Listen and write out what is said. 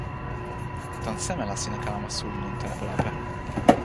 tan seme la sina kalama suli lon tenpo lape?